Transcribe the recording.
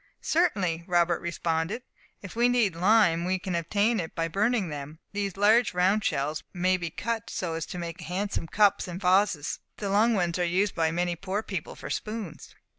"Certainly," Robert responded. "If we need lime we can obtain it by burning them. These large round shells may be cut so as to make handsome cups and vases. The long ones are used by many poor people for spoons.